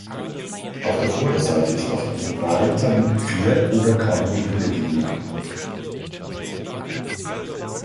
Auf der Vorderseite ist oft ein Reiter mit Pferd oder Kamel wiedergegeben.